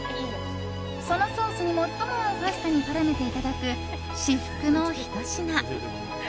そのソースに最も合うパスタに絡めていただく至福のひと品。